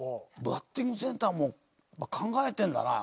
バッティングセンターも考えてるんだな。